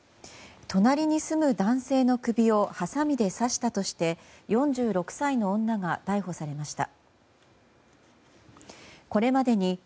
隣に住む男性の首をはさみで刺したとして４６歳の女が逮捕されました。